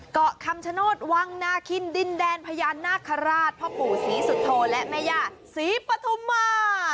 เกาะคำชโนธวังนาคินดินแดนพญานาคาราชพ่อปู่ศรีสุโธและแม่ย่าศรีปฐุมา